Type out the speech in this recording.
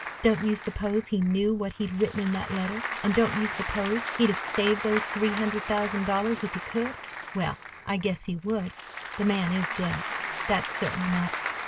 Don't you suppose he knew what he'd written in that letter, and don't you suppose he'd have saved those three hundred thousand dollars if he could? Well, I guess he would! The man is dead. That's certain enough."